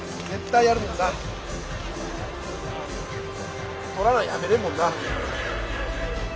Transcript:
絶対やるもんな！